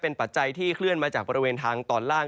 เป็นปัจจัยที่เคลื่อนมาจากบริเวณทางตอนล่าง